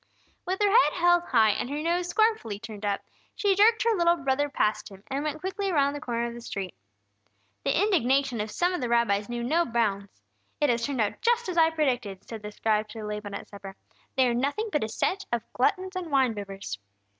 With her head held high, and her nose scornfully turned up, she jerked her little brother past him, and went quickly around the corner of the street. The indignation of some of the rabbis knew no bounds. "It has turned out just as I predicted," said the scribe to Laban, at supper. "They are nothing but a set of gluttons and wine bibbers!"